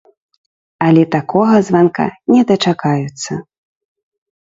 Але такога званка не дачакаюцца.